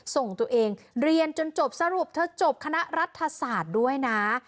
ส่งตัวเองเรียนจนจบสรุปเธอจบคณะรัฐศาสตร์ด้วยนะ